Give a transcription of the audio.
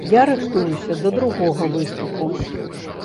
Я рыхтуюся да другога выступу.